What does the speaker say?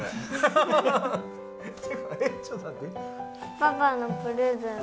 パパのプレゼント。